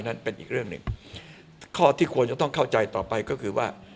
นั้นเป็นอีกเรื่องหนึ่งข้อที่ควรจะต้องเข้าใจต่อไปก็คือว่า